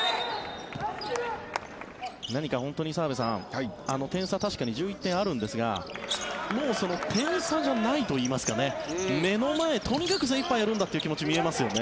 何か本当に澤部さん点差は確かに１１点あるんですがもう点差じゃないといいますか目の前とにかく精いっぱいやるんだという気持ちが見えますよね。